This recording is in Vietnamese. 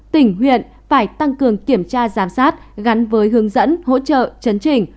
tỉnh huyện phải tăng cường kiểm tra giám sát gắn với hướng dẫn hỗ trợ chấn trình